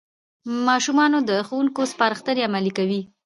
ماشومان د ښوونکو سپارښتنې عملي کوي